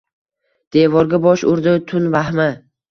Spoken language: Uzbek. Devorga bosh urdi tun vahmi.